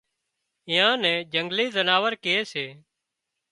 ايئان نين جنگلي زناور ڪي سي